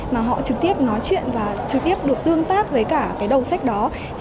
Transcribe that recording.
mà họ trực tiếp nói chuyện và trực tiếp được tương tác với cả cái đầu sách đó